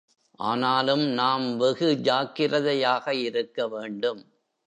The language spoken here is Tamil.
ஆனாலும், நாம் வெகு ஜாக்கிரதையாக இருக்க வேண்டும்.